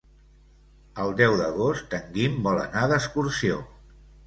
El deu d'agost en Guim vol anar d'excursió.